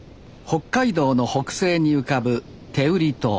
北海道の北西に浮かぶ天売島。